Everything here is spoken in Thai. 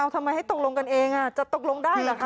ทำไมให้ตกลงกันเองจะตกลงได้เหรอคะ